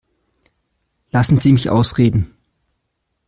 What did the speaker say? Lassen Sie mich ausreden.